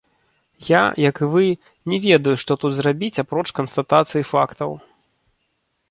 Я, як і вы, не ведаю, што тут зрабіць апроч канстатацыі фактаў.